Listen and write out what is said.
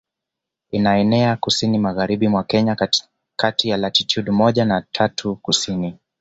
Inaenea kusini magharibi mwa Kenya kati ya latitude moja na tatu Kusini